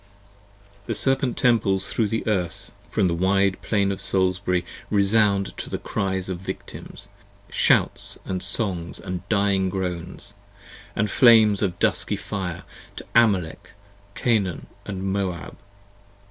The Serpent Temples thro' the Earth, from the wide Plain, of Salisbury, Resound with cries of Victims, shouts & songs & dying groans 50 And flames of dusky fire, to Amalelc, Canaan and Moab.